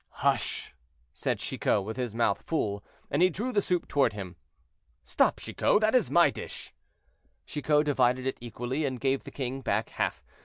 "Hush!" said Chicot, with his mouth full; and he drew the soup toward him. "Stop, Chicot! that is my dish." Chicot divided it equally, and gave the king back half.